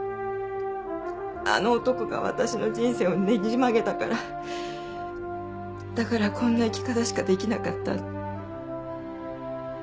あの男が私の人生をねじ曲げたからだからこんな生き方しかできなかった。